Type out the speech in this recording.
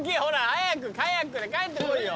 早くカヤックで帰ってこいよ。